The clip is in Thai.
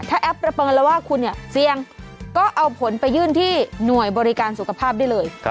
ถ้าแอปประเมินแล้วว่าคุณเนี่ยเสี่ยงก็เอาผลไปยื่นที่หน่วยบริการสุขภาพได้เลย